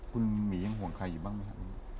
คุณหมียังห่วงใครอยู่บ้างมั้ยคะ